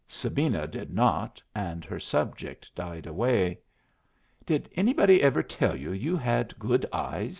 Sabina did not, and her subject died away. "Did anybody ever tell you you had good eyes?"